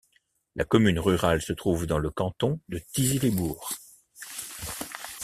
La commune rurale se trouve dans le canton de Thizy-les-Bourgs.